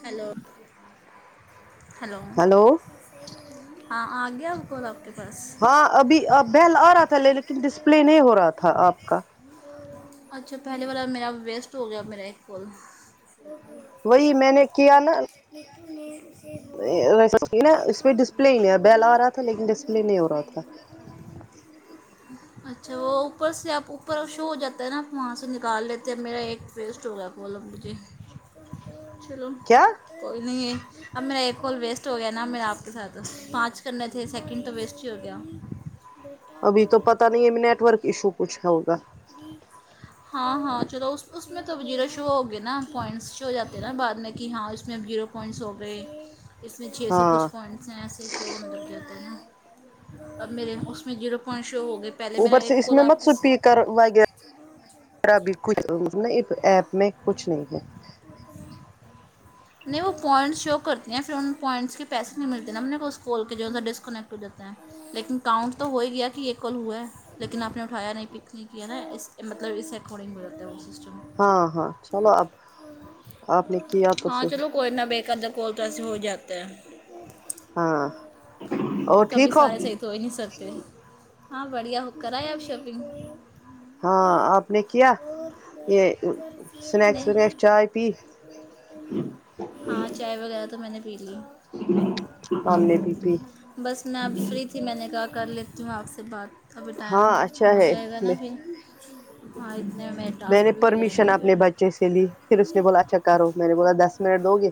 hello hello hello ہاں آ گیا آپ کو آپ کے پاس ہاں ابھی آ بیل آ رہا تھا لیکن ڈسپلے نہیں ہو رہا تھا آپ کا اچھا پہلے بار میرا ویسٹ ہو گیا میرا ایک کال وہی میں نے ل نے [unintelligible] ا نا اس پہ ڈسپلے ہی نہیں بیل آ رہا تھا لیکن ڈسپلے نہیں ہو رہا تھا اچھا وہ اوپر سے آپ اوپر ا شو ہو جاتا ہے نا آپ وہاں سے نکال لیتے ہیں اب میرا ایک فیسٹ ہوگیابولو سب مجھے چلو کیا کوئی نہیں ہے اب میرا ایک کال ویسٹ ہو گیا نا میرا آپ کے ساتھ پانچ کرنے تھے سیکنڈ تو ویسٹ ہی ہو گیا ابھی تو پتا نہیں ہے ا نیٹ ورک ایشو کچھ ہے ہوگا ہاں ہاں چلو اس اس میں توب زیرو ہاں ہاں شو ہو گیا نا پوائنٹس شو ہو جاتے ہیں نا بعد میں کہ ہاں اس میں ا جیرو پنٹس ہو گئے اس میں چھ سو ہاں کچھ فائنٹ ایسے ایسے شو ہم لگتے ہوتے ہیں اب میرے اس میں زیرو پوائنٹ شو ہو گئے پہلے میرا اوپر ایک سے اس کال میں آپ مت کے سو پیک کر وغیرہیر بھی کچھ ایپ میں کچھ نہیں ہے نہیں وہ پوائنٹس شو کرتی ہیں پھر ان پوائنٹس کے پیسے نہیں ملتے نا ہم نے کو اس کال کے جو ہے ڈسکنیکٹ ہو جاتا ہے لیکن کاؤنٹ تو ہو ہی گیا کہ یہ کال ہوا ہے لیکن آپ نے اٹھایا نہیں پکنک یہ ہے نا اس مطلب اس اکارڈنگ بھی ہو رہتا ہے وہ سسٹم ہاں ہاں چلو اب آپ نے کیا تو صحیح کونا بے قدر کوول تو سے ہو جاتا ہے ہاں اور کبھی ٹھیک سارے صحیح تو ہو ہی نہیں سکتے ہاں بڑھیا ہو کر ہے آپ شاپنگ ہاں آپ نے کیا یہ اسنیکس ونیکس نہیں چائے پی ہاں چائے وغیرہ تو میں نے پی لی ام نے بھی پی پھر میں نے کہا کر لیتی ہوں آپ سے بات ابھی ٹائم ہاں اچھا ہو ہے جائے گا میں نا پھر ہاں اتنے میرے میں نے ٹاسک بھی ہو جائیں گے پرمیشن پھر اپنے بچے سے لی پھر اس نے بولا اچھا کرو میں نے بولا دس منٹ دو گے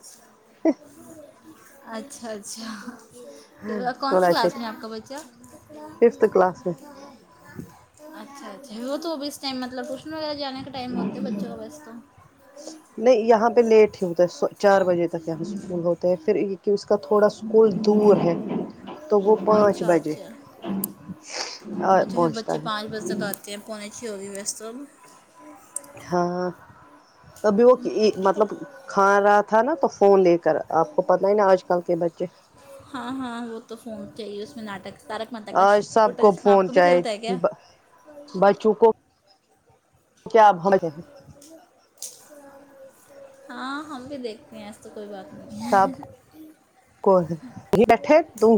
اچھا اچھا کون بولا سی اچھا کلاس میں ہے آپ کا بچہ ففتھ کلاس اچھا اچھا وہ تو اب اس ٹائم مطلب ٹوشن وغیرہ جانے کا ٹائم ہوتے ہے بچوں کا بس تو نہیں یہاں پہ لیٹ ہی ہوتا ہے چار بجے تک یہاں اسکول ہوتا ہے پھر اسکو اس کا تھوڑا اسکول دور ہے تو وہ پانچ اچھا بجے اچھا اور پہنچتا ہے کہ پہنے چھ ہوگے سو ہاں ابھی وہ تو مطلب اب کھا رہا تھا نا تو فون لے کر آپ کو پتا ہی نا آج کل کے بچے ہاں ہاں وہ تو فون چاہیے اس میں ناٹک تارک مہاتتا کاش آج اولٹا تاش میں آپ کو بھی چلتا ہے کیا بچوکو کیا [unintelligible] ہاں ہم بھی دیکھتے ہیں ایس تو کوئی بات نہیں سب ہے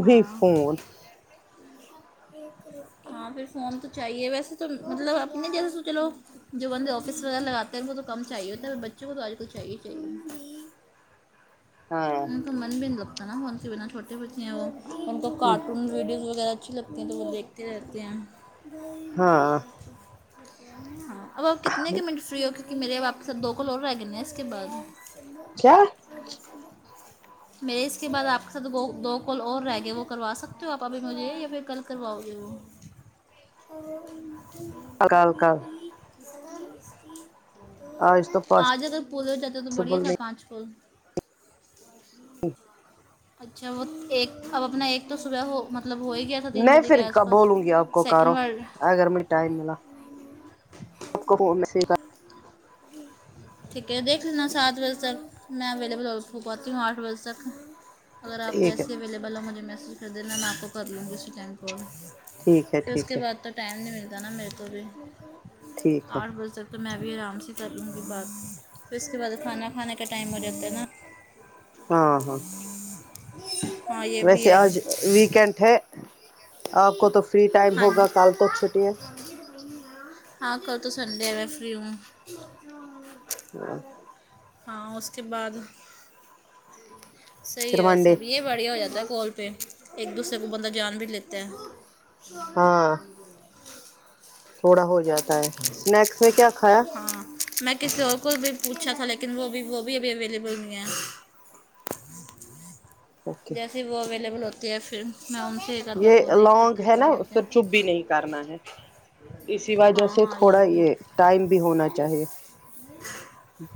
ہاں ہاں پھر فون تو چاہیے ویسے تو مطلب اپ نے جیسا سوچے لو جو بندے آفس وغیرہ لگاتے ہیں وہ کو تو کم چاہیے ہوتا ہے بچوں کو تو آج کل چاہیے چاہیے ہاں ان کا من بھی نہیں لگتا نا ان کے بنا چھوٹے بچے ہیں وہ ان کو کارٹون ویڈیوز وغیرہ اچھی لگتے ہیں تو وہ دیکھتے رہتے ہیں ہاں ہاں اب آپ کتنے کے منٹ فری ہو کیونکہ میرے آپ کے سر دو کال رہ گئے ہیں اس کے بعد کیا تو [unintelligible] میرے اس کے بعد آپ کے ساتھ دو کال اور رہ گئے وہ کروا سکتے ہو آپ ابھی مجھے یا پھر کل کرواؤ گے ہو اور [unintelligible] اکالکال آج تو آج اگر پورے جاتے تو بڑھیا پاسبل تھا نہیں پانچ پول [inaudible] اچھا وہ ایک اب اپنا ایک تو صبح ہو مطلب ہو ہی گیا تین میں بجے کے پھر آس پاس بولوں گی آپ کو سیکنڈ کرو ورڈ اگر مجھے ٹائم ملا آپ کو میں سے ایک ہ [unintelligible] ٹھیک ہے دیکھ لینا سات بجے تک میں اویلیبل ہو پاتی ہوں آٹھ بجے تک اگر آپ ٹھیک ہے جیسے اویلیبل ہو مجھے میسج کر دینا میں آپ کو کر لوں گی اسی ٹائم فون ٹھیک ہے پھر اس ٹھیک کے ہے بعد تو ٹائم نہیں ملتا نا میرے کو بھی ٹھیک ہے آٹھ بجے تک تو میں بھی آرام سے کر لوں گی بات پھر اس کے بعد کھانا کھانے کا ٹائم ہو جاتا ہے نا ہاں ہاں ہاں یہ بھی ویسے ہے آج ویکینڈ ہے آپ کو تو فری ٹائم ہاں ہوگا کل تو چھٹی ہے ہاں کل تو سنڈے ہے میں فری ہوں ہاں ہاں اس کے بعد صحیح پھر ہے منڈے ویسے اب یہ بڑھیا ہو جاتا ہے کال پہ ایک دوسرے کو بندہ جان بھی لیتا تا ہاں [inaudible] تھوڑا ہو جاتا ہے اسنیکس میں کیا کھایا ہاں میں کسی اور کو بھی پوچھا تھا لیکن وہ بھی وہ بھی ابھی اویلیبل نہیں ہے اوکے جیسے وہ اویلیبل ہوتی ہے پھر میں ان سے آدھا یہ کو دیکھ لونگ لیتی ہوں ہے کر نہ اس لیتے سے ہیں چپ بھی نہیں کرنا ہے اسی وجہ ہاں سے ہاں تھوڑا بھی یہ ٹائم بھی ہونا چاہیے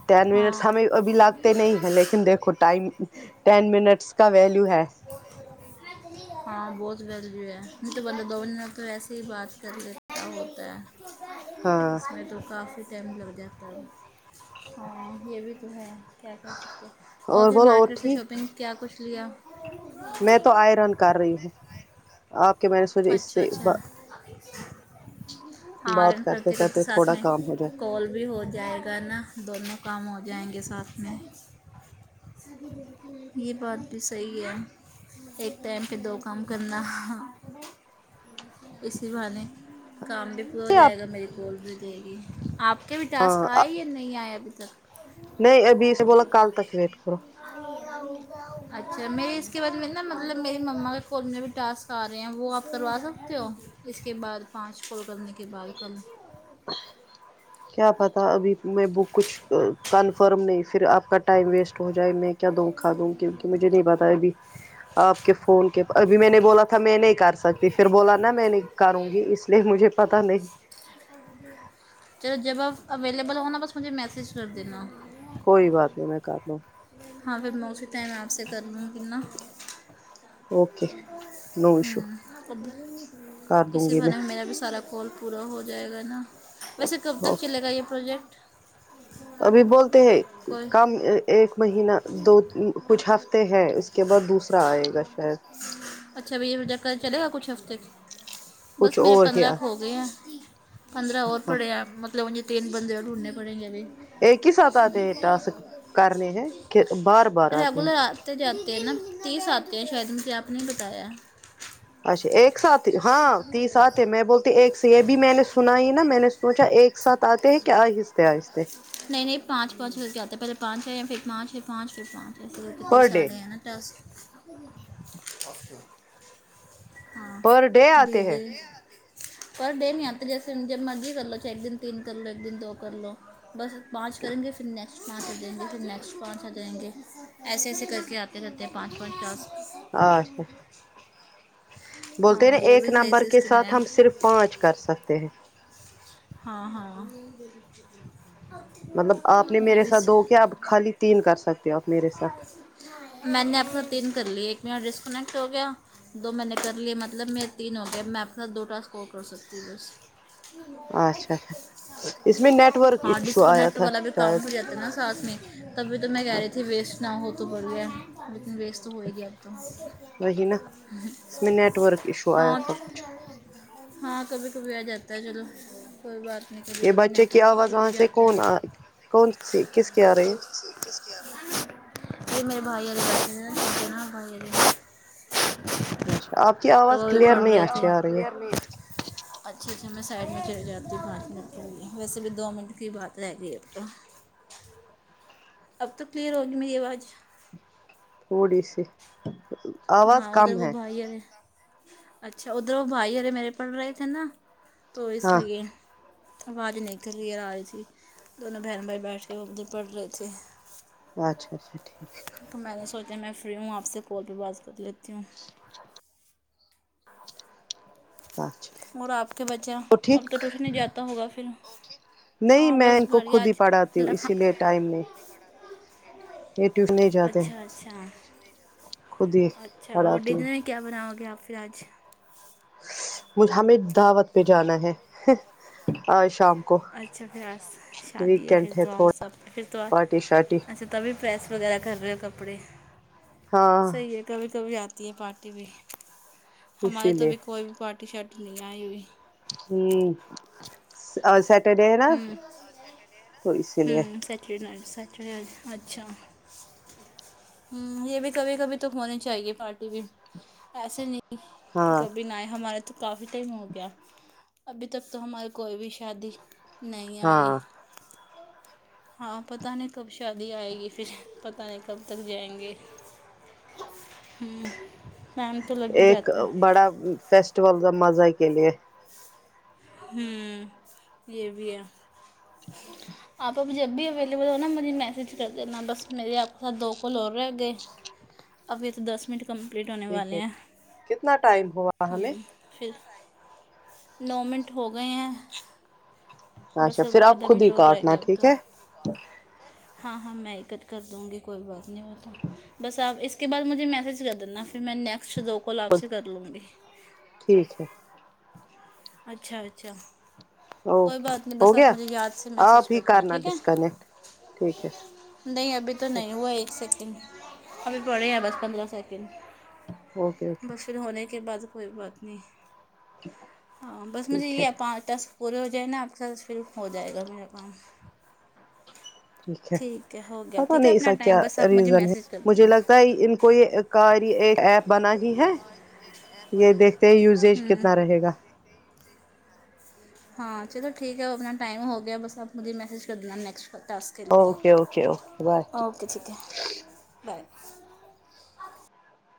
ٹین منٹ ہاں ہمیں ابھی لگتے نہیں ہے لیکن دیکھو ٹائم ٹین منٹس کا ویلیو ہے [unintelligible] ہاں بہت ویلیو ہے نہیں تو دونوں میں تو ایسے ہی بات کر لینا ہوتا ہے ہاں اس میں تو کافی ٹائم لگ جاتا ہے ہاں یہ بھی تو ہے کیا کہہ سکتے ہیں اور پھر مارکیٹ سے شاپنگ کیا کچھ لیا میں تو آئرن کر رہی ہوں آپ کے میں نے سوچا اس اچھا سے ب اچھا بات آئرن کرتے کرتے ساتھ تھوڑا میں کام ہو جائے کال بھی ہو جائے گا نا دونوں کام ہو جائیں گے ساتھ میں یہ بات بھی صحیح ہے ایک ٹائم پہ دو کام کرنا ہاں اسی بہانے کام بھی وہ ہو جائے گا میری کال بھی رہے گی آپ کے بھی ٹاسک آئے یا نہیں آئے ابھی تک نہیں ابھی سے بولا کل تک ویٹ کرو اچھا میرے اس کے بعد میں نا مطلب میری مما کے فون میں بھی ٹاسک آ رہے ہیں وہ آپ کروا سکتے ہو اس کے بعد پانچ کال کرنے کے بعد کم کیا پتہ ابھی میں بک کچھ کنفرم نہیں پھر آپ کا ٹائم ویسٹ ہو جائے میں کیا دوں کھا دوں کیونکہ مجھے نہیں پتا ہے ابھی آپ کے فون کے ابھی میں نے بولا تھا میں نہیں کر سکتی پھر بولا نا میں نہیں کروں گی اس لیکن مجھے پتہ نہیں [unintelligible] چلو جب آپ اویلیبل ہونا بس مجھے میسج کر دینا کوئی بات نہیں میں کر لوں ہاں پھر میں اسی ٹائم آپ سے کرلوں گی نا اوکے نو ایشو ہوں کر دوں اسی گی میں بہانے میرا بھی سارا کال پورا ہو جائے گا نا ویسے کب تک چلے گا یہ پروجیکٹ ابھی بولتے ہیں کوئی کم ایک مہینہ دو کچھ ہفتے ہیں اس کے بعد دوسرا آئے گا شاید اچھا بھیا جب تک چلے گا کچھ ہفتے کچھ بس میرے اور ہی پندرہ آئے، ہو گئے ہیں پندرہ اور ہاں پڑے ہیں مطلب مطلب مجھے تین بندے اور ڈھونڈنے پڑینگے ابھی ایک ہی ساتھ آتے ہیں ٹاسک کرنے ہیں کہ بار بار آتے ہیں [unintelligible] تو جاتے ہیں نا تیس آتے ہیں شاید مجھے آپ نے ہی بتایا اچھا ایک ساتھ ہاں تیس اتتے ہیں میں بولتی ایک سے یہ بھی میں نے سنا ہی نا میں نے سوچا ایک ساتھ آتے ہیں کیا آہی اہستے اہستے نہیں نہیں پانچ پانچ ہو کے آتے ہیں پہلے پانچ ہیں یا پھر پانچ پانچ پھر پانچ اسے ہو کے پر تیس ڈے ارے ہیں نا دس [unintelligible] [unintelligible] ہیں [unintelligible] پر ڈے نہیں آتے جیسے جب مرضی کر لو چاہے ایک دن تین کر لو ایک دن دو کر لو بس پانچ کریں گے پھر نہ کنسٹ پانچ ہو جاییں گے پھر نیکسٹ پانچ ہوجاینگے ایسے ایسے کر کے آتے رہتے ہیں پانچ پانچ ٹاسک [unintelligible] بولتے ہیں نا ہاں یہ ایک بھی صحیح نمبر کے سسٹم ہے ساتھ ہم صرف پانچ کر سکتے ہیں ہاں ہاں مطلب آپ نے یہ میرے بھی ساتھ دو کیا صحیح- اب خالی تین کر سکتے آپ میرے ساتھ میں نے اپنے تین کرلیے ایک میرا ڈسکنیکٹ ہو گیا دو میں نے کر لییے مطلب میرے تین ہو گئے میں اپنا دو ٹاسک اور کر سکتی ہوں بس اچھا اچھا اس میں نیٹ [unintelligible] ورک ہاں ایشو آیا ڈسکنیکٹ تھا والا بھی شاید کام ہو جاتا ہے نا ساتھ میں تبھی تو میں کہہ ہاں رہی تھی ویسٹ نہ ہو تو بڑھیا ہے لیکن ویسٹ تو ہوئے گی اب تو وہی نا اس میں نیٹ ورک ایشو [unintelligible] آیا تھا کچھ ہاں کبھی کبھی آ جاتا ہے چلو کوئی بات نہیں کبھی یہ کبھی بچے کی نیٹورک آواز ایشو ہو وہاں سے جاتے کون ہیں کون سی کس کی آ رہی یہ میرے بھائی [inaudible] ہے اچھا آپ کی تو آواز وہ بھی کلیئر پڑھ نہیں رہے تھے اچھی آ رہی ہے [unintelligible] اچھا اچھا میں سائڈ میں چلی جاتی ہوں پانچ منٹ کے لیے ویسے بھی دو منٹ کی بات رہ گئی اپ تو اب تو کلیئر ہوگی میری آواز تھوڑی سی آواز ہاں کم ہے [unintelligible] اچھا وہ دو بھائی ارے میرے پڑھ رہے تھے نا تو اس ہاں لیے آوازیں نہیں کلیر آ رہی تھی دونوں بہن بھائی بیٹھ کے اردو پڑھ رہے تھے اچھا اچھا ٹھیک تو میں نے سوچا میں فری ہوں آپ سے کال پہ بات کر لیتی ہوں اچھا اور آپ کے بچہ اب تو ٹیوشن ہی جاتا ہوگا پھر نہیں ہاں میں بس ان کو بڑھیا خود ہی آج پڑھاتی ہوں لکھا اسی لیے ٹائم نے یہ ٹی نہیں [unintelligible] اچھا اچھا خود ہی اچھا اور پڑھاتی ہوں ڈنر میں کیا بناؤ گے آپ پھر آج وہ ہمیں دعوت پہ جانا ہے ہن آج شام کو اچھا پھر آس شادی ہے پھر ویکینڈ تو تھوڑا سب پھر تو پارٹی شارٹی اچھا تبھی پریس وغیرہ کر رہے ہو کپڑے ہاں صحیح ہے کبھی کبھی آتی ہے پارٹی بھی ہمارے اسی تو لیے بھی کوئی پارٹی شارٹی نہیں آئی ہوئی اج سیٹرڈے ہے نا ہوں تو اسی لیے [unintelligible] سچ اچھا ہم یہ بھی کبھی کبھی تو ہونی چاہیے پارٹی بھی ایسے نہیں کہ ہاں کبھی ناے ہمارے تو کافی ٹائم ہو گیا ابھی تک تو ہماری کوئی بھی شادی نہیں آئی ہاں ہاں پتا نہیں کب شادی آئے گی پھر پتا نہیں کب تک جائیں گے ہمم ٹائم تو لگ ہی ایک جاتا ہے بڑا فیسٹیول کے مزہ کے لیے ہوں یہ بھی ہے آپ اب جب بھی اویلیبل رہنا مجھے میسج کر دینا بس میرے آپ کے ساتھ دو کال اور رہ گئے ابھی تو دس منٹ کمپلیٹ ہونے ٹھیک والے ہے ہیں کتنا ٹائم ہوا ہمیں ام پھر نو منٹ ہو گئے ہیں اچھا بس اب پھر آپ آدھا خود منٹ ہی اور رہ کاٹنا گیا اپ ٹھیک کا ہے ہاں ہاں میں ہی کٹ کر دوں گی کوئی بات نہیں ہوتا بس آپ اس کے بعد مجھے میسج کر دینا پھر میں نیکسٹ دو کال آپ سے کر لوں گی ٹھیک ہے اچھا اچھا کوئی اوکے بات نہیں بس ہو آپ گیا مجھے یاد سے میسج آپ کر ہی دینا کرنا ٹھیک ہے ڈسکنیکٹ ٹھیک ہے نہیں ابھی تو نہیں ہوا ہے ایک سیکنڈ ابھی پڑھے ہیں بس پندرہ سیکنڈ اوکے اوکے بس پھر ہونے کے بعد کوئی بات نہیں [unintelligible] ہاں بس مجھے ٹھیک ہے یہ پانچ ٹسک پورے ہو جائیں نا آپ کے ساتھ پھر ہو جائے گا میرا کام ٹھیک ہے ہو گیا پتا ٹھیک ہے نہیں اس اپنا کا ٹائم کیا بس آپ مجھے ریزن ہے میسج کر مجھے دینا لگتا ہے ان کو یہ کا ایپ بنانی ہے یہ دیکھتے ہیں یوزیج ہوں کتنا رہے گا ہاں چلو ٹھیک ہے وہ اپنا ٹائم ہو گیا بس آپ مجھے میسج کر دینا نیکسٹ کال ٹاسک کے لیے okay okay okay bye okay ٹھیک ہے بائے